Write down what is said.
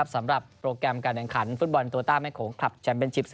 สำหรับโปรแกรมการแข่งขันฟุตบอลโตต้าแม่โขงคลับแชมเป็นชิป๔